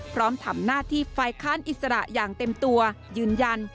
พร้อมทำหน้าที่ฝ่ายค้านอิสระอย่างเต็มตัวยืนยัน